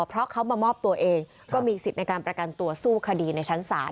เพราะเขามามอบตัวเองก็มีสิทธิ์ในการประกันตัวสู้คดีในชั้นศาล